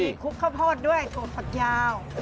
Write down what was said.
มีคลุกข้าวโพดด้วยถั่วผักยาว